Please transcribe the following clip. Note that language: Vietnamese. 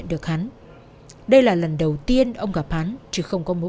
lúc đó là gần sáu giờ rồi